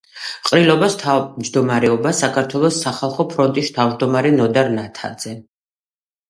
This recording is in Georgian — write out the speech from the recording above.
ყრილობას თავმჯდომარეობდა საქართველოს სახალხო ფრონტის თავმჯდომარე ნოდარ ნათაძე.